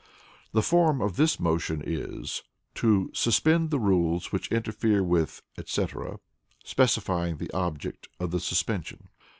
The Form of this motion is, to "suspend the rules which interfere with," etc., specifying the object of the suspension.